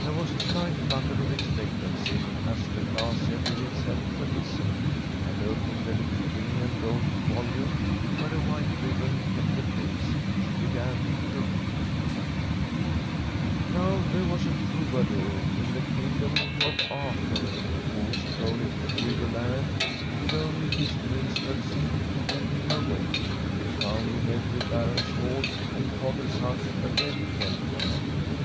There was a slight flutter of expectancy as the class settled itself to listen, and, opening the little green and gold volume where a white ribbon kept the place, she began to read: "Now there was a troubadour in the kingdom of Arthur, who, strolling through the land with only his minstrelsy to win him a way, found in every baron's hall and cotter's hut a ready welcome.